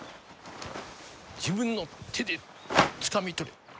自分の手でつかみ取れ。